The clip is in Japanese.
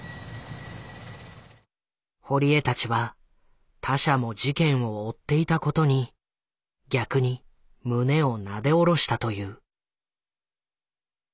堀江たちは他社も事件を追っていたことに逆に胸をなで下ろしたという。